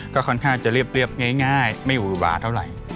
ก็ค่อนข้างจะเรียบง่ายไม่อุบาเท่าไหร่